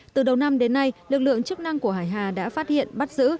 từ đầu năm đến nay lực lượng chức năng của hải hà đã phát hiện bắt giữ